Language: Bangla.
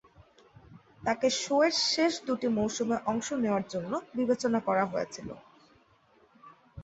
তাকে শোয়ের শেষ দুটি মৌসুমে অংশ নেওয়ার জন্য বিবেচনা করা হয়েছিল।